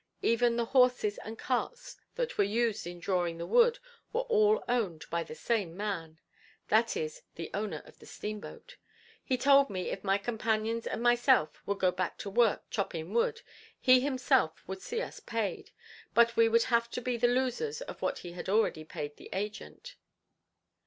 Even the horses and carts that were used in drawing the wood were all owned by the same man—that is the owner of the steamboat. He told me if my companions and myself would go back to work chopping wood, he himself would see us paid, but we would have to be the losers of what he had already paid the agent.